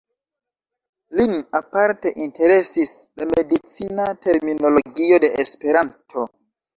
Lin aparte interesis la medicina terminologio de Esperanto.